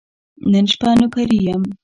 نن شپه نوکري یم .